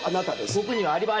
僕にはアリバイがある。